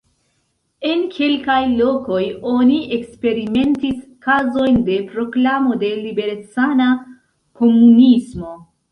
En kelkaj lokoj oni eksperimentis kazojn de proklamo de liberecana komunismo.